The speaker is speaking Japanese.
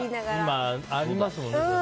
今、ありますもんね。